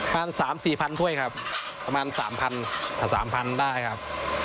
๓๔พันถ้วยครับประมาณ๓พันได้ครับ